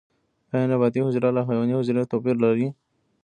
ایا نباتي حجره له حیواني حجرې توپیر لري؟